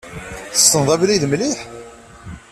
Tesneḍ abrid mliḥ?